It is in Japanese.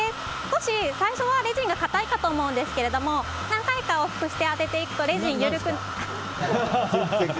少し最初はレジンが固いかと思うんですが何回か往復して当てていくとレジンが緩くなるので。